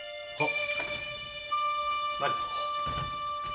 はっ！